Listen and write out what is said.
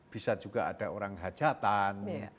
bisa juga ada orang hajatan